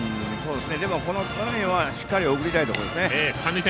でも、この場面はしっかり送りたいところですね。